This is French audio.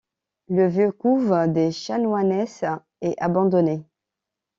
Le vieux couvent des chanoinesses est abandonné.